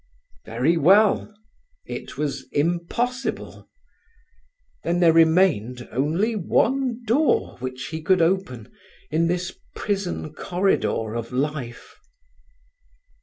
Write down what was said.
Very well, it was impossible! Then there remained only one door which he could open in this prison corridor of life.